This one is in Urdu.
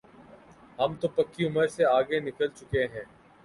ہم تو پکی عمر سے آگے نکل چکے ہیں۔